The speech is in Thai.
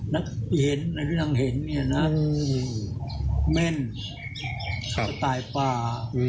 นักที่นั่งเห็นนี่นะแม่นสไตล์ปลา